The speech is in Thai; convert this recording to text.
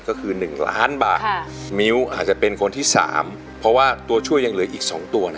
ก็คือ๑ล้านบาทมิ้วอาจจะเป็นคนที่๓เพราะว่าตัวช่วยยังเหลืออีก๒ตัวนะ